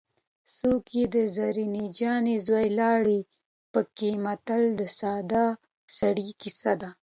څوک یې د زرجانې زوی لاړې پکې متل د ساده سړي کیسه ده